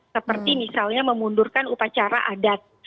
seperti misalnya memundurkan upacara adat